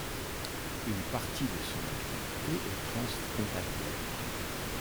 Une partie de son activité est transfrontalière.